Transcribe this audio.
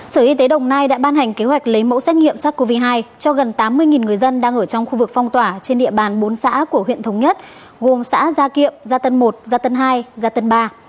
sở y tế đồng nai đã ban hành kế hoạch lấy mẫu xét nghiệm sars cov hai cho gần tám mươi người dân đang ở trong khu vực phong tỏa trên địa bàn bốn xã của huyện thống nhất gồm xã gia kiệm gia tân một gia tân hai gia tân ba